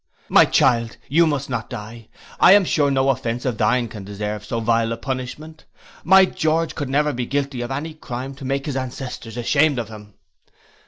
'My child, you must not die: I am sure no offence of thine can deserve so vile a punishment. My George could never be guilty of any crime to make his ancestors ashamed of him.